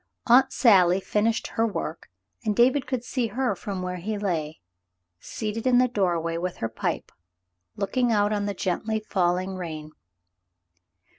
Aunt Sally finished her work, and David could see her from where he lay, seated in the doorway with her pipe, looking out on the gently falling rain.